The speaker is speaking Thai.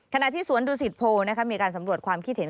ขณะที่สวนดุสิตโพมีการสำรวจความคิดเห็น